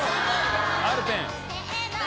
アルペン。